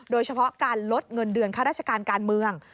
โดยเฉพาะการลดเงินเดือนข้าราชการการเมือง